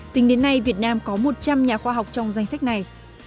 tính đến nay việt nam có một trăm linh nhà khoa học trong danh sách này